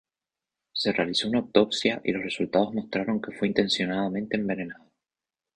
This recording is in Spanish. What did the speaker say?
Se realizó una autopsia y los resultados mostraron que fue intencionadamente envenenado.